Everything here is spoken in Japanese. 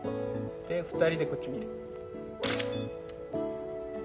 で２人でこっち見る。